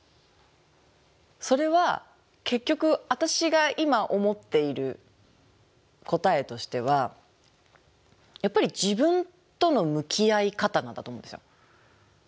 それは結局私が今思っている答えとしてはやっぱり自分との向き合い方なんだと思うんですよ。